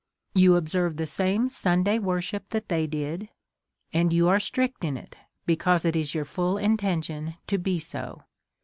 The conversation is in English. You observe the same Sunday worship that they did ; and you are strict in it, because it is your full intention to be so.